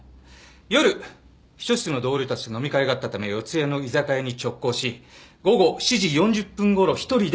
夜秘書室の同僚たちと飲み会があったため四谷の居酒屋に直行し午後７時４０分頃１人で店を出たそうなんです。